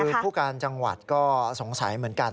คือผู้การจังหวัดก็สงสัยเหมือนกัน